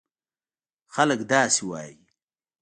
خلک داسې وایي: